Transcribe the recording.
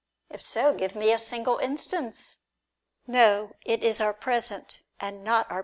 If so, give me a single instance. No, it is our present, and not our.